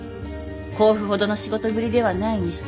甲府ほどの仕事ぶりではないにしても人柄は実直。